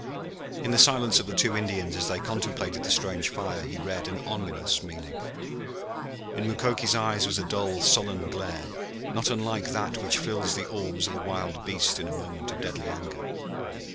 In the silence of the two Indians as they contemplated the strange fire he read an ominous meaning. In Mukoki's eyes was a dull sullen glare, not unlike that which fills the orbs of a wild beast in a moment of deadly anger.